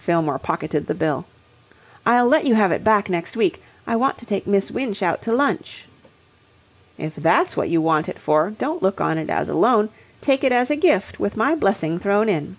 Fillmore pocketed the bill. "I'll let you have it back next week. I want to take Miss Winch out to lunch." "If that's what you want it for, don't look on it as a loan, take it as a gift with my blessing thrown in."